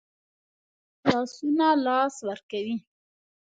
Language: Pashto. لاسونه لاس ورکوي